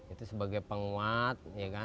itu sebagai penguat